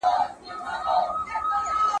ټکنالوژي پښتو ته نوې ساه بښي.